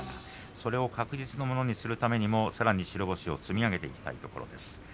それを確実なものにするためにもさらに白星を積み上げていきたいところです。